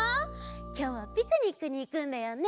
きょうはピクニックにいくんだよね